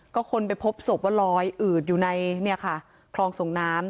ก็คนไปพบศพว่าลอยอืดอยู่ในเนี่ยค่ะคลองส่งน้ำ